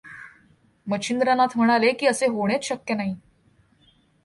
मच्छिंद्रनाथ म्हणाले की असे होणेच शक्य नाही.